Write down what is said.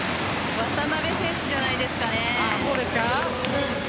渡邊選手じゃないですかね。